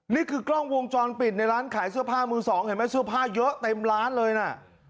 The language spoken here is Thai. นี่คือกล้องวงจรปิดในร้านขายเสื้อผ้ามือสองเห็นไหมเสื้อผ้าเยอะเต็มร้านเลยนะ